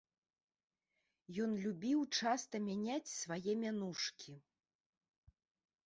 Ён любіў часта мяняць свае мянушкі.